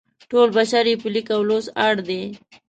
ټول بشر یې په لیک او لوست اړ دی.